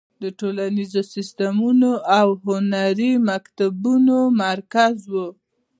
د ټولنیزو سیستمونو او هنري مکتبونو مرکز و.